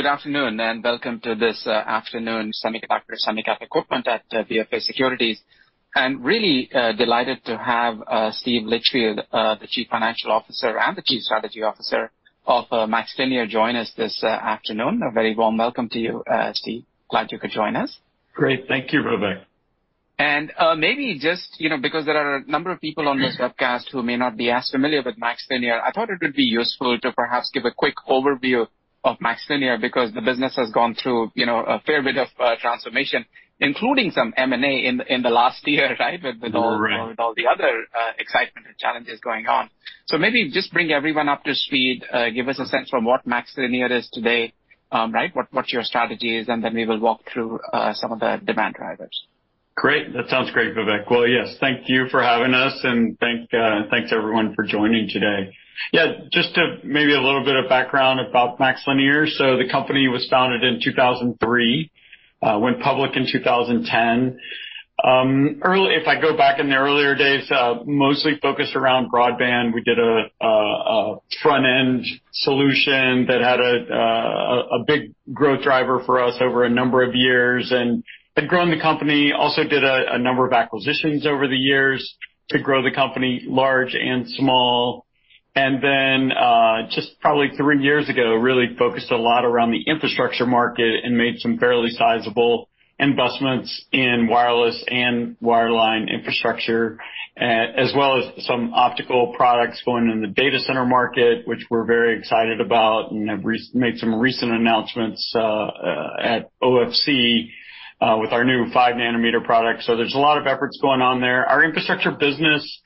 Good afternoon, welcome to this afternoon semiconductor equipment at BofA Securities. I'm really delighted to have Steve Litchfield, the Chief Financial Officer and the Chief Strategy Officer of MaxLinear join us this afternoon. A very warm welcome to you, Steve. Glad you could join us. Great. Thank you, Vivek. Maybe just because there are a number of people on this webcast who may not be as familiar with MaxLinear, I thought it would be useful to perhaps give a quick overview of MaxLinear because the business has gone through a fair bit of transformation, including some M&A in the last year, right? With all the other excitement and challenges going on. Maybe just bring everyone up to speed, give us a sense of what MaxLinear is today, right, what your strategy is, and then we will walk through some of the demand drivers. Great. That sounds great, Vivek. Yes, thank you for having us, and thanks, everyone, for joining today. Just maybe a little bit of background about MaxLinear. The company was founded in 2003, went public in 2010. If I go back in the earlier days, mostly focused around broadband. We did a front-end solution that had a big growth driver for us over a number of years and had grown the company. Also did a number of acquisitions over the years to grow the company, large and small. Just probably three years ago, really focused a lot around the infrastructure market and made some fairly sizable investments in wireless and wireline infrastructure, as well as some optical products going in the data center market, which we're very excited about and have made some recent announcements at OFC with our new five-nanometer product. There's a lot of efforts going on there. Our infrastructure business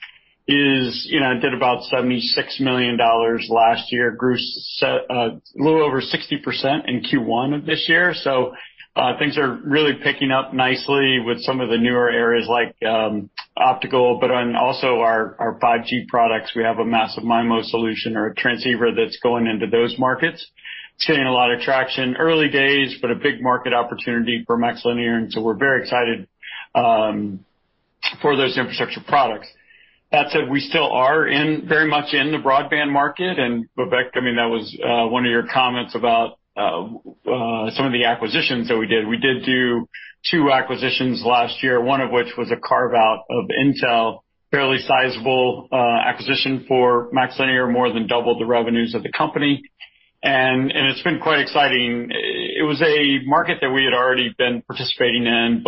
did about $76 million last year, grew a little over 60% in Q1 of this year. Things are really picking up nicely with some of the newer areas like optical, but on also our 5G products. We have a massive MIMO solution or transceiver that's going into those markets, seeing a lot of traction. Early days, but a big market opportunity for MaxLinear, we're very excited for those infrastructure products. That said, we still are very much in the broadband market. Vivek, that was one of your comments about some of the acquisitions that we did. We did do two acquisitions last year, one of which was a carve-out of Intel, fairly sizable acquisition for MaxLinear, more than doubled the revenues of the company. It's been quite exciting. It was a market that we had already been participating in,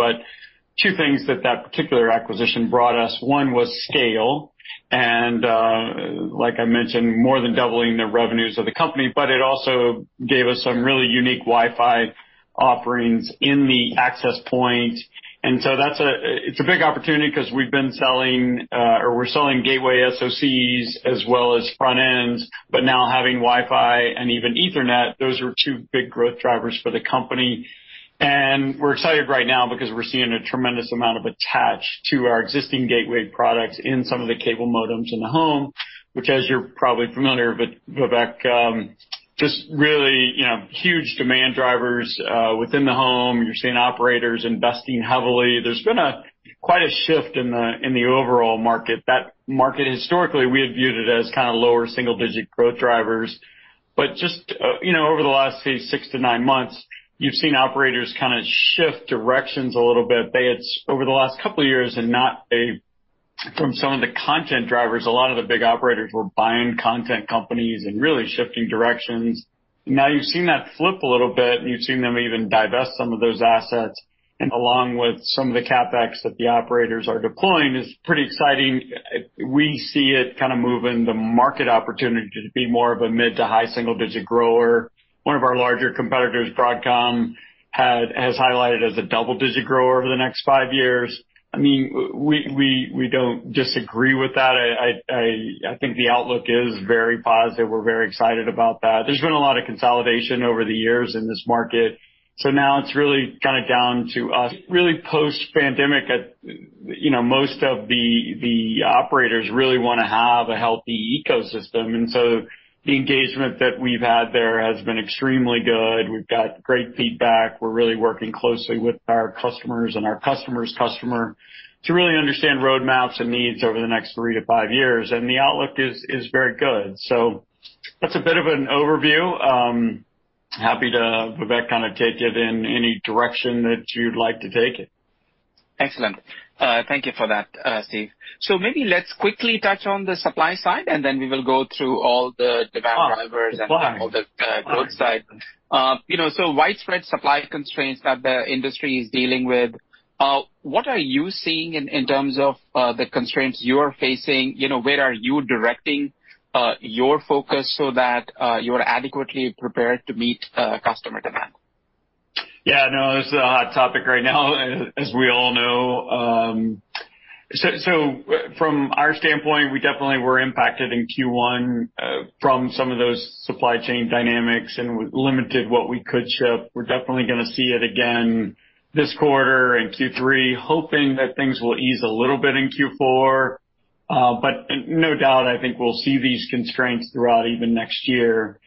two things that that particular acquisition brought us, one was scale, and like I mentioned, more than doubling the revenues of the company, but it also gave us some really unique Wi-Fi offerings in the access point. It's a big opportunity because we're selling gateway SoCs as well as front ends, but now having Wi-Fi and even Ethernet, those are two big growth drivers for the company. We're excited right now because we're seeing a tremendous amount of attach to our existing gateway products in some of the cable modems in the home, which, as you're probably familiar with, Vivek, just really huge demand drivers within the home. You're seeing operators investing heavily. There's been quite a shift in the overall market. That market historically, we have viewed it as kind of lower single-digit growth drivers. Just over the last, say, six to nine months, you've seen operators kind of shift directions a little bit. Over the last couple of years and from some of the content drivers, a lot of the big operators were buying content companies and really shifting directions. Now you've seen that flip a little bit, and you've seen them even divest some of those assets, and along with some of the CapEx that the operators are deploying, it's pretty exciting. We see it kind of moving the market opportunity to be more of a mid to high single-digit grower. One of our larger competitors, Broadcom, has highlighted as a double-digit grower over the next five years. We don't disagree with that. I think the outlook is very positive. We're very excited about that. There's been a lot of consolidation over the years in this market. Now it's really kind of down to us really post-pandemic, most of the operators really want to have a healthy ecosystem, and so the engagement that we've had there has been extremely good. We've got great feedback. We're really working closely with our customers and our customer's customer to really understand roadmaps and needs over the next three to five years, and the outlook is very good. That's a bit of an overview. I'm happy to, Vivek, kind of take it in any direction that you'd like to take it. Excellent. Thank you for that, Steve. Maybe let's quickly touch on the supply side, and then we will go through all the demand drivers and all the growth side. Widespread supply constraints that the industry is dealing with, what are you seeing in terms of the constraints you are facing? Where are you directing your focus so that you're adequately prepared to meet customer demand? Yeah, I know that's a hot topic right now, as we all know. From our standpoint, we definitely were impacted in Q1 from some of those supply chain dynamics, and we limited what we could ship. We're definitely going to see it again this quarter in Q3, hoping that things will ease a little bit in Q4. No doubt, I think we'll see these constraints throughout even next year.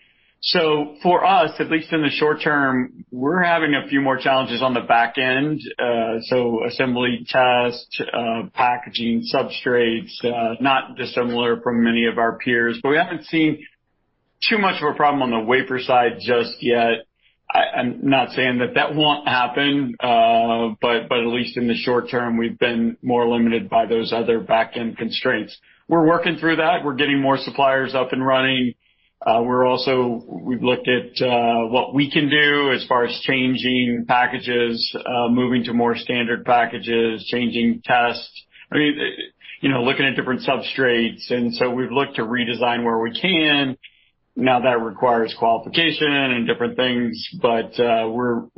For us, at least in the short term, we're having a few more challenges on the back end. Assembly, test, packaging, substrates, not dissimilar from many of our peers. We haven't seen too much of a problem on the wafer side just yet. I'm not saying that that won't happen, but at least in the short term, we've been more limited by those other back-end constraints. We're working through that. We're getting more suppliers up and running. We've looked at what we can do as far as changing packages, moving to more standard packages, changing tests, looking at different substrates. We've looked to redesign where we can. Now, that requires qualification and different things, but our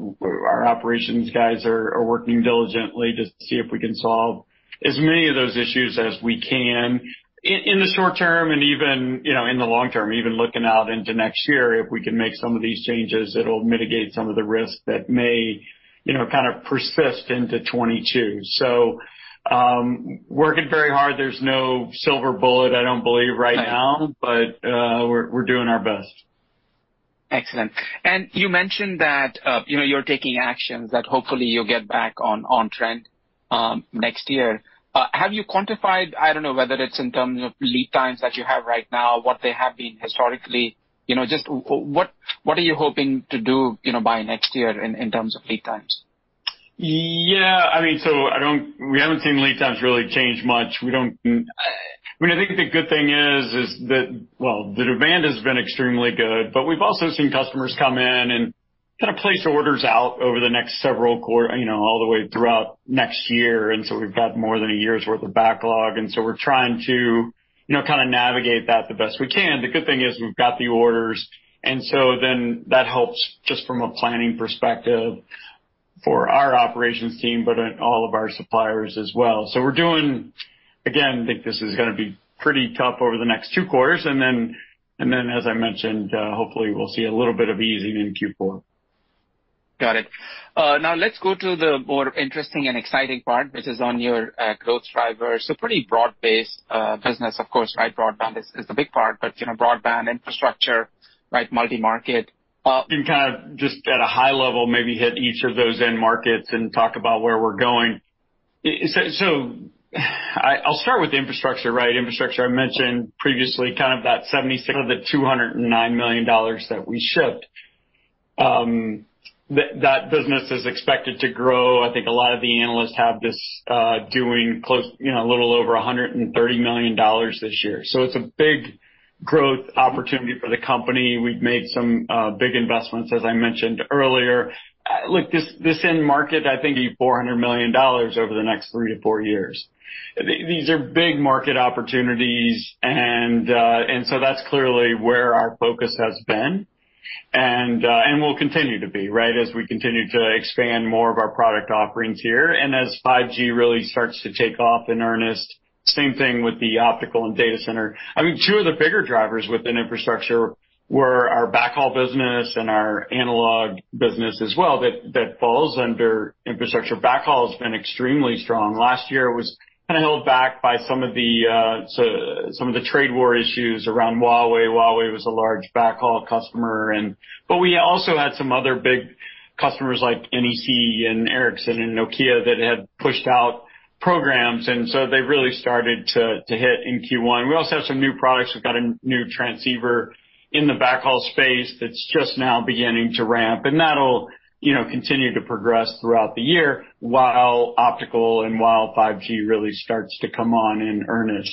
operations guys are working diligently to see if we can solve as many of those issues as we can in the short term, and even in the long term, even looking out into next year. If we can make some of these changes, it'll mitigate some of the risks that may kind of persist into 2022. Working very hard. There's no silver bullet, I don't believe right now, but we're doing our best. Excellent. You mentioned that you're taking actions that hopefully you'll get back on trend next year. Have you quantified, I don't know whether it's in terms of lead times that you have right now, what they have been historically, just what are you hoping to do by next year in terms of lead times? Yeah. We haven't seen lead times really change much. I think the good thing is that, well, the demand has been extremely good, but we've also seen customers come in and kind of place orders out over the next several quarter, all the way throughout next year. We've got more than one year's worth of backlog, and so we're trying to navigate that the best we can. The good thing is we've got the orders, and so then that helps just from a planning perspective for our operations team, but in all of our suppliers as well. We're doing, again, I think this is going to be pretty tough over the next two quarters, and then, as I mentioned, hopefully we'll see a little bit of easing in Q4. Got it. Now let's go to the more interesting and exciting part, which is on your growth drivers. Pretty broad-based business, of course, right? Broadband is the big part, but broadband infrastructure, multi-market. Kind of just at a high level, maybe hit each of those end markets and talk about where we're going. I'll start with infrastructure. Infrastructure, I mentioned previously, kind of that $76 million of the $209 million that we shipped. That business is expected to grow. I think a lot of the analysts have this doing a little over $130 million this year. It's a big growth opportunity for the company. We've made some big investments, as I mentioned earlier. This end market, I think, will be $400 million over the next three to four years. These are big market opportunities, that's clearly where our focus has been, and will continue to be as we continue to expand more of our product offerings here, and as 5G really starts to take off in earnest. Same thing with the optical and data center. Two of the bigger drivers within infrastructure were our backhaul business and our analog business as well, that falls under infrastructure. Backhaul's been extremely strong. Last year was kind of held back by some of the trade war issues around Huawei. Huawei was a large backhaul customer. We also had some other big customers like NEC and Ericsson and Nokia that had pushed out programs, they really started to hit in Q1. We also have some new products. We've got a new transceiver in the backhaul space that's just now beginning to ramp, that'll continue to progress throughout the year while optical and while 5G really starts to come on in earnest.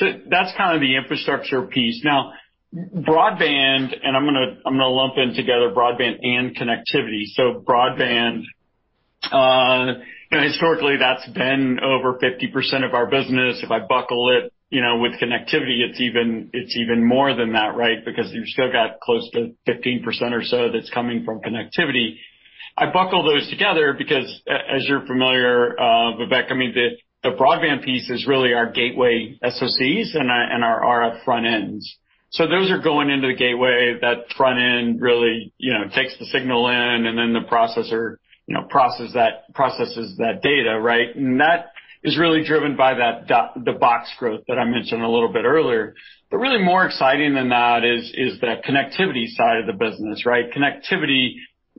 That's kind of the infrastructure piece. Now, broadband, I'm going to lump in together broadband and connectivity. Broadband, historically, that's been over 50% of our business. If I buckle it with connectivity, it's even more than that, right? You've still got close to 15% or so that's coming from connectivity. I buckle those together because, as you're familiar, Vivek, the broadband piece is really our gateway SoCs and our RF front ends. Those are going into the gateway. That front end really takes the signal in, and then the processor processes that data. That is really driven by the box growth that I mentioned a little bit earlier. Really more exciting than that is the connectivity side of the business. Connectivity,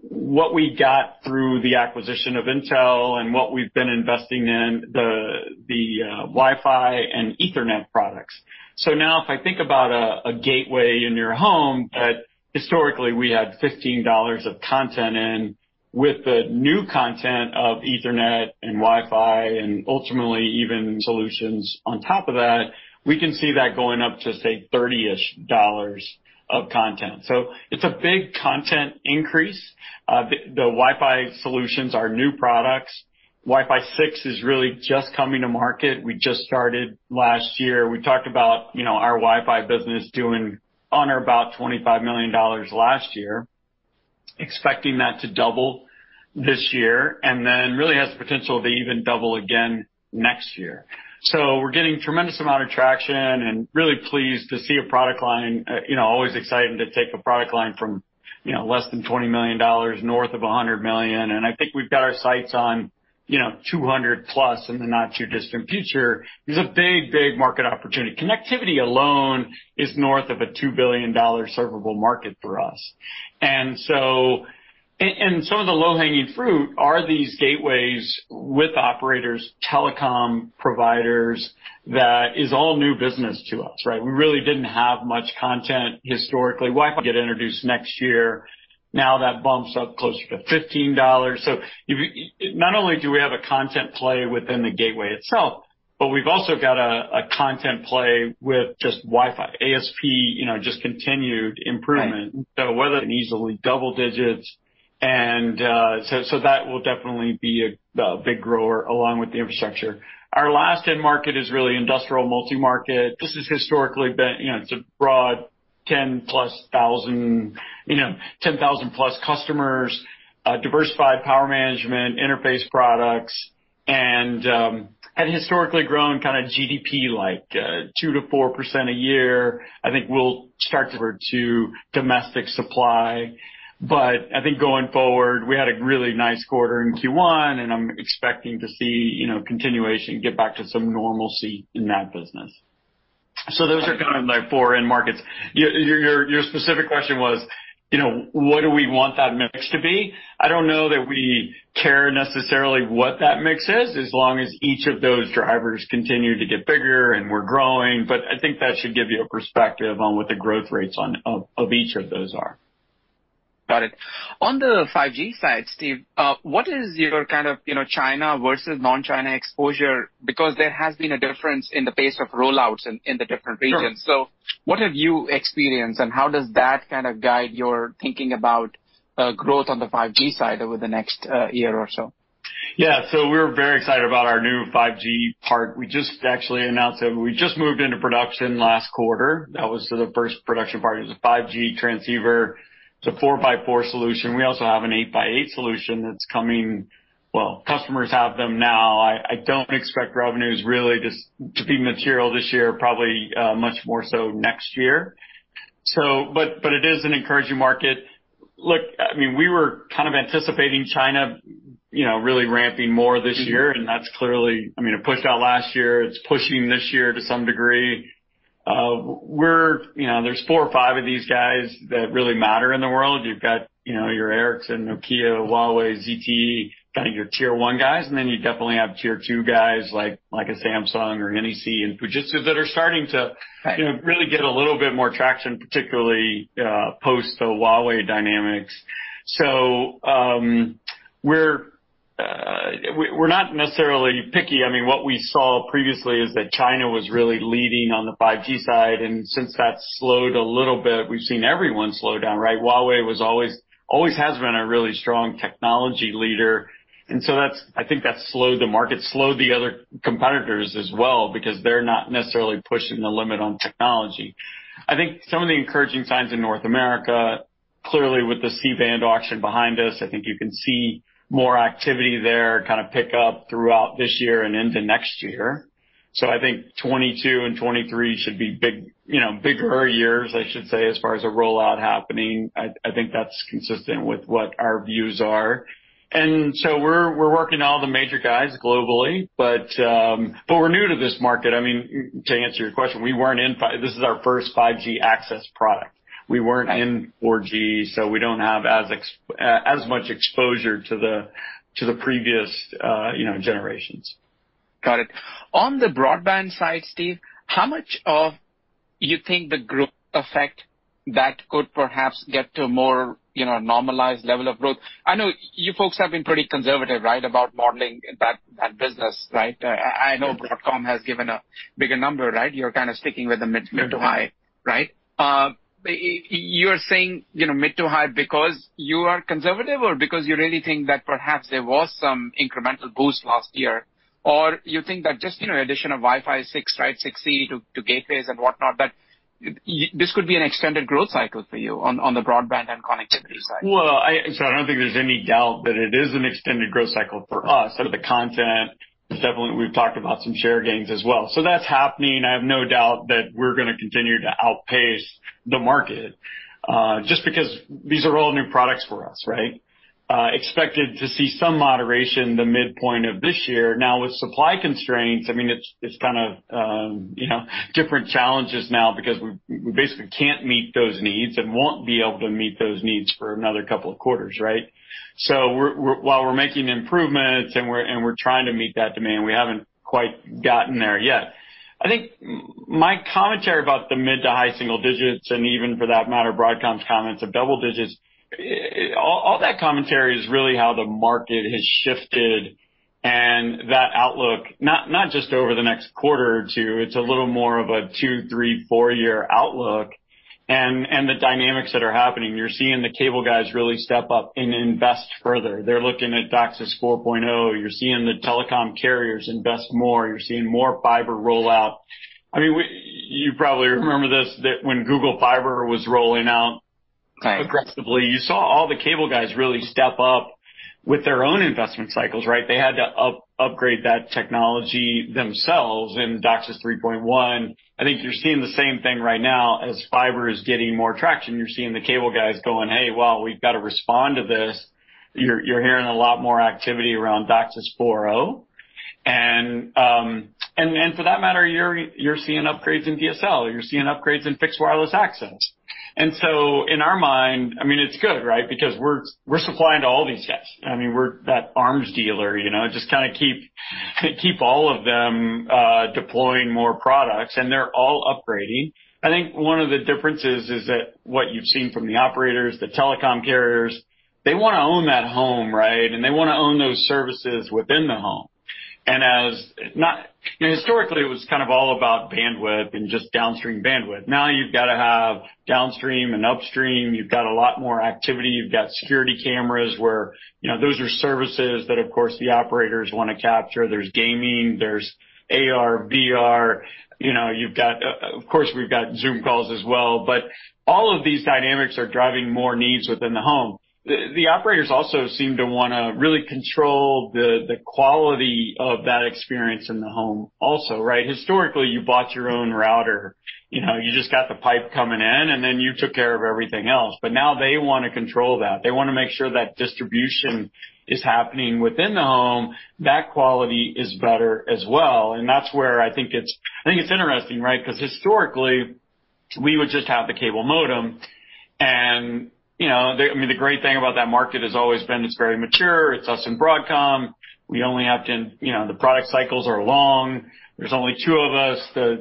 what we got through the acquisition of Intel and what we've been investing in, the Wi-Fi and Ethernet products. Now if I think about a gateway in your home, that historically we had $15 of content in, with the new content of Ethernet and Wi-Fi and ultimately even solutions on top of that, we can see that going up to, say, 30-ish dollars of content. It's a big content increase. The Wi-Fi solutions are new products. Wi-Fi 6 is really just coming to market. We just started last year. We talked about our Wi-Fi business doing under about $25 million last year, expecting that to double this year, and then really has potential to even double again next year. We're getting tremendous amount of traction, and really pleased to see a product line. Always exciting to take a product line from less than $20 million north of $100 million, and I think we've got our sights on 200+ in the not too distant future. It's a big market opportunity. Connectivity alone is north of a $2 billion servable market for us. Some of the low-hanging fruit are these gateways with operators, telecom providers that is all new business to us, right? We really didn't have much content historically. Wi-Fi get introduced next year. That bumps up closer to $15. Not only do we have a content play within the gateway itself, but we've also got a content play with just Wi-Fi. ASP just continued improvement. Whether it easily double digits. That will definitely be a big grower along with the infrastructure. Our last end market is really industrial multi-market. This has historically been, it's a broad 10,000+ customers, diversified power management, interface products, and historically grown kind of GDP, like 2%-4% a year. I think we'll start to revert to domestic supply. I think going forward, we had a really nice quarter in Q1, and I'm expecting to see continuation, get back to some normalcy in that business. Those are kind of my four end markets. Your specific question was, what do we want that mix to be? I don't know that we care necessarily what that mix is, as long as each of those drivers continue to get bigger and we're growing. I think that should give you a perspective on what the growth rates of each of those are. Got it. On the 5G side, Steve, what is your China versus non-China exposure? There has been a difference in the pace of rollouts in the different regions. Sure. What have you experienced, and how does that kind of guide your thinking about growth on the 5G side over the next year or so? We're very excited about our new 5G part. We just actually announced that we just moved into production last quarter. That was the first production part. It was a 5G transceiver. It's a 4x4 solution. We also have an 8x8 solution that's coming. Well, customers have them now. I don't expect revenues really to be material this year, probably much more so next year. It is an encouraging market. We were kind of anticipating China really ramping more this year, and that's clearly, it pushed out last year. It's pushing this year to some degree. There's four or five of these guys that really matter in the world. You've got your Ericsson, Nokia, Huawei, ZTE, kind of your Tier 1 guys, and then you definitely have Tier 2 guys like a Samsung or NEC and Fujitsu that are starting to really get a little bit more traction, particularly post the Huawei dynamics. We're not necessarily picky. What we saw previously is that China was really leading on the 5G side, and since that's slowed a little bit, we've seen everyone slow down, right? Huawei always has been a really strong technology leader, and so I think that slowed the market, slowed the other competitors as well because they're not necessarily pushing the limit on technology. I think some of the encouraging signs in North America, clearly with the C-band auction behind us, I think you can see more activity there kind of pick up throughout this year and into next year. I think 2022 and 2023 should be bigger years, I should say, as far as a rollout happening. I think that's consistent with what our views are. We're working all the major guys globally. We're new to this market. To answer your question, this is our first 5G access product. We weren't in 4G, so we don't have as much exposure to the previous generations. Got it. On the broadband side, Steve, how much of you think the group effect that could perhaps get to a more normalized level of growth? I know you folks have been pretty conservative about modeling that business, right? I know Broadcom has given a bigger number, right? You're kind of sticking with the mid to high, right? You're saying mid to high because you are conservative or because you really think that perhaps there was some incremental boost last year? Or you think that just the addition of Wi-Fi 6, right, 6E to gateways and whatnot, that this could be an extended growth cycle for you on the broadband and connectivity side? I don't think there's any doubt that it is an extended growth cycle for us. The content is definitely, we've talked about some share gains as well. That's happening. I have no doubt that we're going to continue to outpace the market just because these are all new products for us. Expected to see some moderation the midpoint of this year. With supply constraints, it's different challenges now because we basically can't meet those needs and won't be able to meet those needs for another couple of quarters. While we're making improvements and we're trying to meet that demand, we haven't quite gotten there yet. I think my commentary about the mid to high single digits, and even for that matter, Broadcom's comments of double digits, all that commentary is really how the market has shifted and that outlook, not just over the next quarter or two, it's a little more of a two, three, four-year outlook. The dynamics that are happening, you're seeing the cable guys really step up and invest further. They're looking at DOCSIS 4.0. You're seeing the telecom carriers invest more. You're seeing more fiber rollout. You probably remember this, that when Google Fiber was rolling out aggressively, you saw all the cable guys really step up with their own investment cycles, right? They had to upgrade that technology themselves in DOCSIS 3.1. I think you're seeing the same thing right now as fiber is getting more traction. You're seeing the cable guys going, "Hey, wow, we've got to respond to this." You're hearing a lot more activity around DOCSIS 4.0. For that matter, you're seeing upgrades in DSL. You're seeing upgrades in fixed wireless access. In our mind, it's good, right? Because we're supplying to all these guys. We're that arms dealer, just kind of keep all of them deploying more products, and they're all upgrading. I think one of the differences is that what you've seen from the operators, the telecom carriers, they want to own that home, right? Historically, it was kind of all about bandwidth and just downstream bandwidth. Now you've got to have downstream and upstream. You've got a lot more activity. You've got security cameras where those are services that, of course, the operators want to capture. There's gaming, there's AR, VR. Of course, we've got Zoom calls as well, but all of these dynamics are driving more needs within the home. The operators also seem to want to really control the quality of that experience in the home also, right? Historically, you bought your own router. You just got the pipe coming in, and then you took care of everything else. Now they want to control that. They want to make sure that distribution is happening within the home, that quality is better as well. That's where I think it's interesting, right? Because historically, we would just have the cable modem, and the great thing about that market has always been it's very mature. It's us and Broadcom. The product cycles are long. There's only two of us. They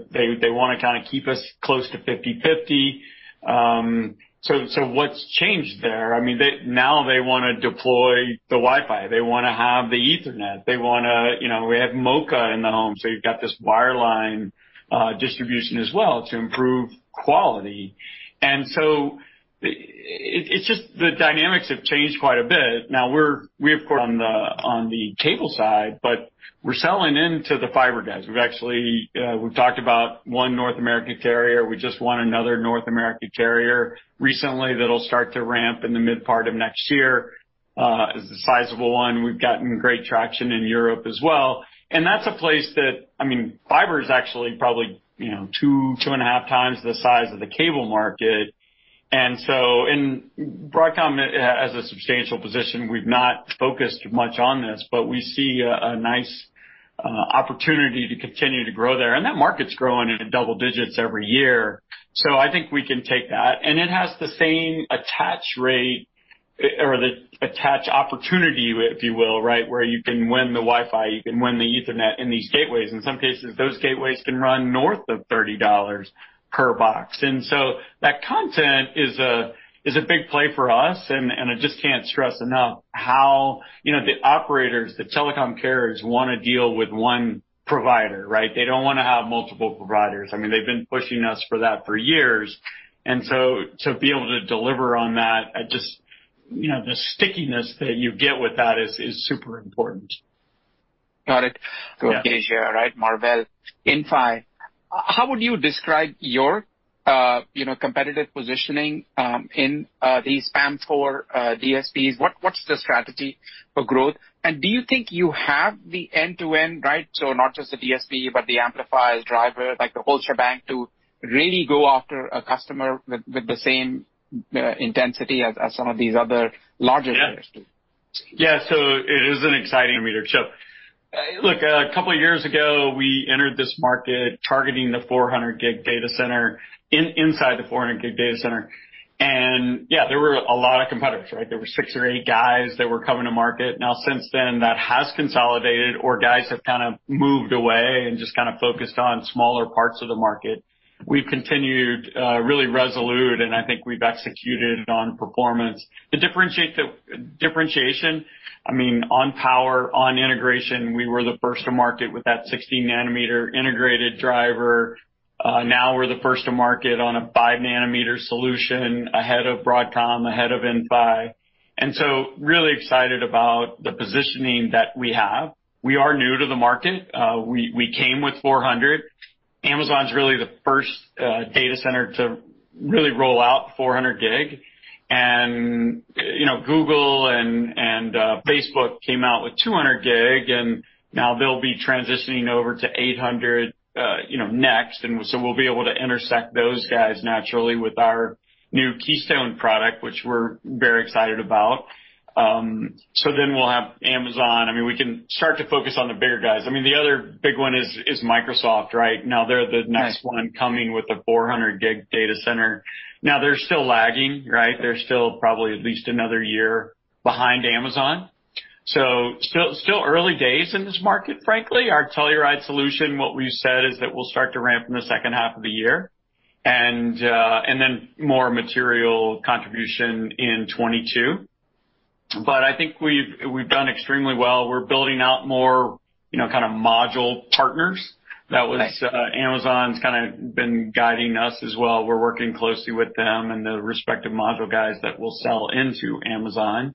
want to kind of keep us close to 50/50. What's changed there? They want to deploy the Wi-Fi. They want to have the Ethernet. We have MoCA in the home, so you've got this wireline distribution as well to improve quality. It's just the dynamics have changed quite a bit. We're, of course, on the cable side, but we're selling into the fiber guys. We've talked about one North American carrier. We just won another North American carrier recently that'll start to ramp in the mid part of next year. It's a sizable one. We've gotten great traction in Europe as well, and that's a place that fiber is actually probably 2.5x the size of the cable market. Broadcom has a substantial position. We've not focused much on this, but we see a nice opportunity to continue to grow there. That market's growing at double digits every year. I think we can take that. It has the same attach rate or the attach opportunity, if you will, right? Where you can win the Wi-Fi, you can win the Ethernet in these gateways. In some cases, those gateways can run north of $30 per box. That content is a big play for us, and I just can't stress enough how the operators, the telecom carriers, want to deal with one provider, right? They don't want to have multiple providers. They've been pushing us for that for years. To be able to deliver on that, the stickiness that you get with that is super important. Got it. Asia, right? Marvell, Inphi. How would you describe your competitive positioning in these PAM4 DSPs? What's the strategy for growth? Do you think you have the end-to-end, right? Not just the DSP, but the amplifier driver, like the whole shebang, to really go after a customer with the same intensity as some of these other larger entities? It is an exciting leader. A couple of years ago, we entered this market targeting the 400G data center, inside the 400G data center. There were a lot of competitors. There were six or eight guys that were coming to market. Since then, that has consolidated, or guys have kind of moved away and just kind of focused on smaller parts of the market. We've continued really resolute, and I think we've executed on performance. The differentiation, on power, on integration, we were the first to market with that 16-nm integrated driver. We're the first to market on a 5-nm solution ahead of Broadcom, ahead of Inphi. Really excited about the positioning that we have. We are new to the market. We came with 400. Amazon's really the first data center to really roll out 400G. Google and Facebook came out with 200G, and now they'll be transitioning over to 800G next. We'll be able to intersect those guys naturally with our new Keystone product, which we're very excited about. We'll have Amazon. We can start to focus on the bigger guys. The other big one is Microsoft, right? Now they're the next one coming with a 400G data center. Now they're still lagging, right? They're still probably at least another year behind Amazon. Still early days in this market, frankly. Our Telluride solution, what we've said is that we'll start to ramp in the second half of the year, and then more material contribution in 2022. I think we've done extremely well. We're building out more kind of module partners. That was Amazon's kind of been guiding us as well. We're working closely with them and the respective module guys that we'll sell into Amazon.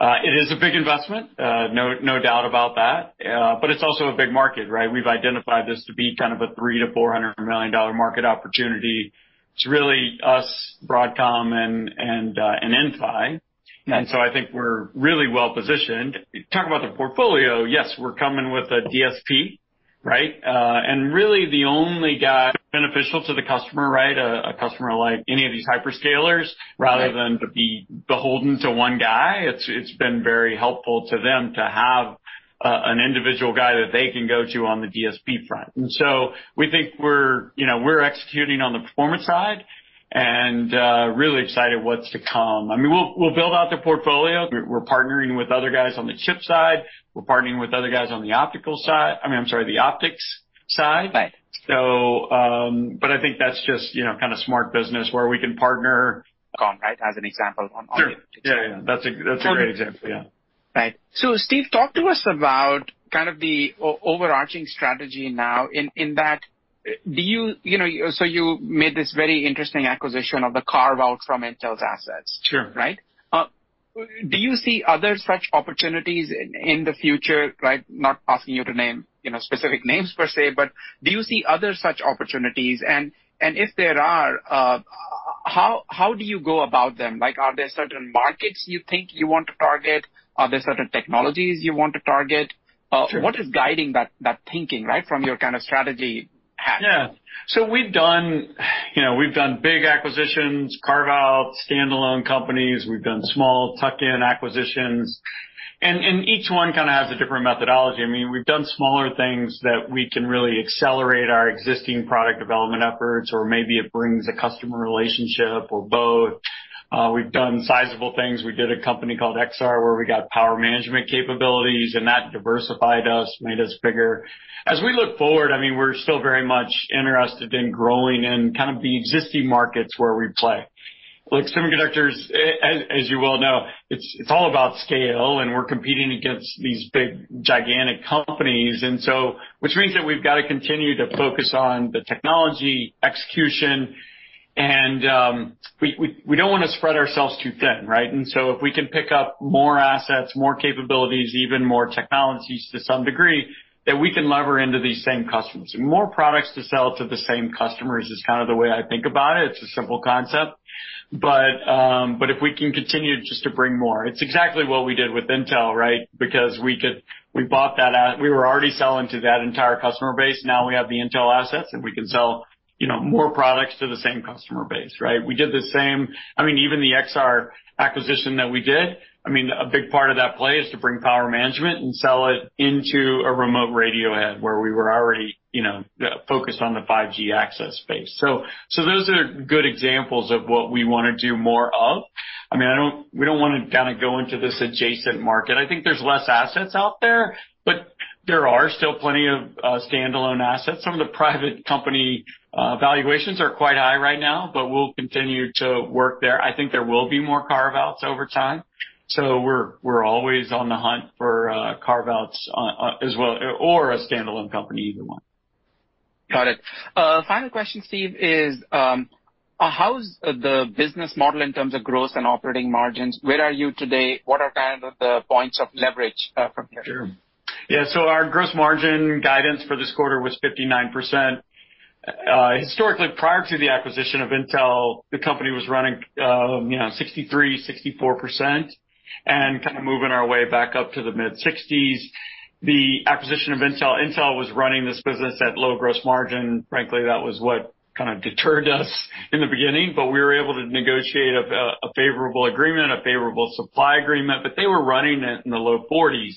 It is a big investment, no doubt about that. It's also a big market, right. We've identified this to be kind of a $300 million-$400 million market opportunity. It's really us, Broadcom, and Inphi. I think we're really well-positioned. Talk about the portfolio, yes, we're coming with a DSP. Right. Really the only guy beneficial to the customer, a customer like any of these hyperscalers, rather than to be beholden to one guy, it's been very helpful to them to have an individual guy that they can go to on the DSP front. We think we're executing on the performance side and really excited what's to come. We'll build out the portfolio. We're partnering with other guys on the chip side. We're partnering with other guys on the optical side. I'm sorry, the optics side. Right. I think that's just, kind of smart business where we can partner-. Comcast as an example on optics. Sure. Yeah. That's a great example. Yeah. Right. Steve, talk to us about the overarching strategy now in that, you made this very interesting acquisition of the carve-out from Intel's assets. Sure. Right. Do you see other such opportunities in the future, right? Not asking you to name specific names per se, but do you see other such opportunities, and if there are, how do you go about them? Are there certain markets you think you want to target? Are there certain technologies you want to target? Sure. What is guiding that thinking from your kind of strategy hat? We've done big acquisitions, carve-outs, standalone companies. We've done small tuck-in acquisitions. Each one kind of has a different methodology. We've done smaller things that we can really accelerate our existing product development efforts, or maybe it brings a customer relationship or both. We've done sizable things. We did a company called Exar, where we got power management capabilities, and that diversified us, made us bigger. As we look forward, we're still very much interested in growing in the existing markets where we play. With semiconductors, as you well know, it's all about scale, and we're competing against these big, gigantic companies. Which means that we've got to continue to focus on the technology execution, and we don't want to spread ourselves too thin, right? If we can pick up more assets, more capabilities, even more technologies to some degree, then we can lever into these same customers. More products to sell to the same customers is kind of the way I think about it. It's a simple concept. If we can continue just to bring more. It's exactly what we did with Intel, right? Because we bought that out. We were already selling to that entire customer base. Now we have the Intel assets, and we can sell more products to the same customer base, right? We did the same. Even the Exar acquisition that we did, a big part of that play is to bring power management and sell it into a remote radio head where we were already focused on the 5G access space. Those are good examples of what we want to do more of. We don't want to go into this adjacent market. I think there's less assets out there, but there are still plenty of standalone assets. Some of the private company valuations are quite high right now, but we'll continue to work there. I think there will be more carve-outs over time. We're always on the hunt for carve-outs as well, or a standalone company, either one. Got it. Final question, Steve, is how is the business model in terms of gross and operating margins? Where are you today? What are the points of leverage from here? Sure. Yeah, our gross margin guidance for this quarter was 59%. Historically, prior to the acquisition of Intel, the company was running 63%, 64% and kind of moving our way back up to the mid-60s. The acquisition of Intel. Intel was running this business at low gross margin. Frankly, that was what kind of deterred us in the beginning. We were able to negotiate a favorable agreement, a favorable supply agreement. They were running it in the low 40s.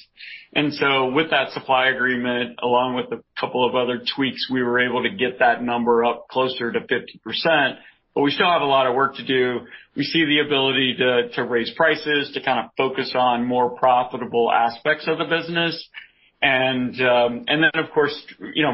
With that supply agreement, along with a couple of other tweaks, we were able to get that number up closer to 50%. We still have a lot of work to do. We see the ability to raise prices, to kind of focus on more profitable aspects of the business and then, of course,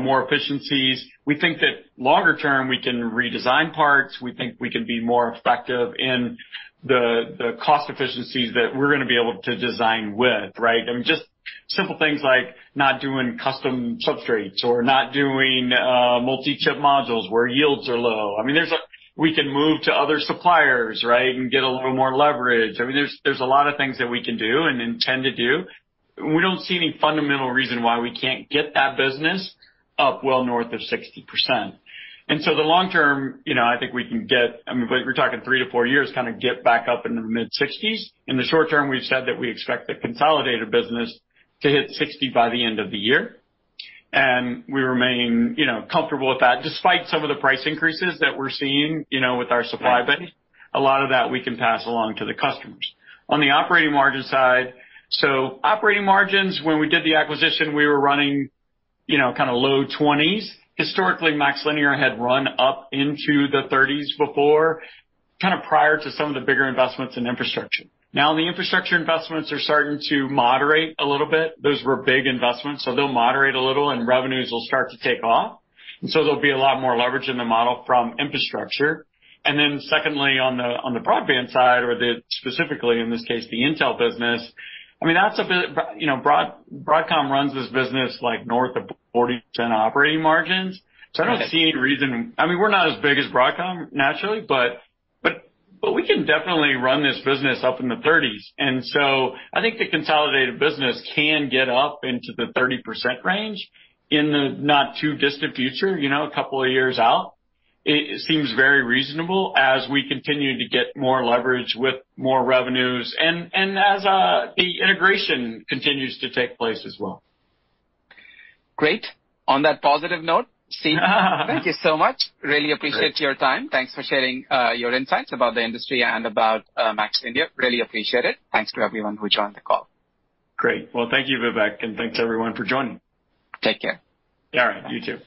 more efficiencies. We think that longer term, we can redesign parts. We think we can be more effective in the cost efficiencies that we're going to be able to design with, right? Just simple things like not doing custom substrates or not doing multi-chip modules where yields are low. We can move to other suppliers, right? Get a little more leverage. There's a lot of things that we can do and intend to do. We don't see any fundamental reason why we can't get that business up well north of 60%. The long term, I think we can get, but you're talking three to four years, kind of get back up into the mid-60s. In the short term, we've said that we expect the consolidated business to hit 60 by the end of the year. We remain comfortable with that, despite some of the price increases that we're seeing with our supply base. A lot of that we can pass along to the customers. On the operating margin side. Operating margins, when we did the acquisition, we were running low 20s. Historically, MaxLinear had run up into the 30s before, kind of prior to some of the bigger investments in infrastructure. Now the infrastructure investments are starting to moderate a little bit. Those were big investments, so they'll moderate a little, and revenues will start to take off. There'll be a lot more leverage in the model from infrastructure. Secondly, on the broadband side, or specifically in this case, the Intel business, Broadcom runs this business north of 40% operating margins. I don't see any reason-- We're not as big as Broadcom, naturally, but we can definitely run this business up in the 30s. I think the consolidated business can get up into the 30% range in the not-too-distant future, a couple of years out. It seems very reasonable as we continue to get more leverage with more revenues and as the integration continues to take place as well. Great. On that positive note, Steve, thank you so much. Really appreciate your time. Thanks for sharing your insights about the industry and about MaxLinear. Really appreciate it. Thanks for everyone who joined the call. Great. Well, thank you, Vivek, and thanks, everyone, for joining. Take care. All right. You too.